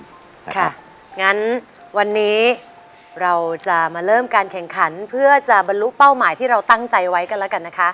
ค่ะงั้นวันนี้เราจะมาเริ่มการแข่งขันเพื่อจะบรรลุเป้าหมายที่เราตั้งใจไว้กันแล้วกันนะคะ